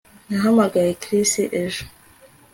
Nahamagaye Chris ejo